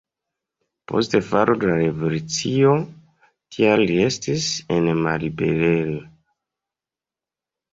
Post falo de la revolucio tial li estis en malliberejo.